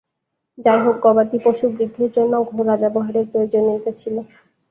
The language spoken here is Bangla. যাইহোক, গবাদি পশু বৃদ্ধির জন্যও ঘোড়া ব্যবহারের প্রয়োজনীয়তা ছিল।